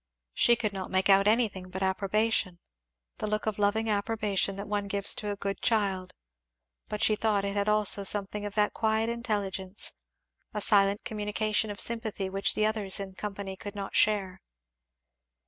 She could not make out anything but approbation, the look of loving approbation that one gives to a good child; but she thought it had also something of that quiet intelligence a silent communication of sympathy which the others in company could not share.